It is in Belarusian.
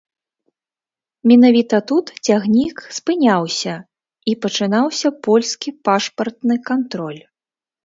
Менавіта тут цягнік спыняўся, і пачынаўся польскі пашпартны кантроль.